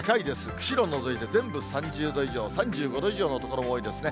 釧路除いて、全部３０度以上、３５度以上の所も多いですね。